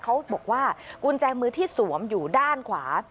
เขาบอกว่ากุญแจมือที่สวมอยู่ด้านขวา